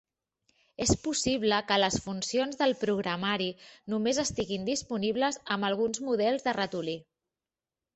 És possible que les funcions del programari només estiguin disponibles amb alguns models de ratolí.